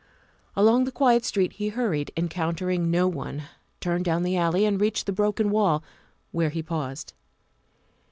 Along the quiet street he hurried, encountering no one, turned down the alley, and reached the broken wall, where he paused.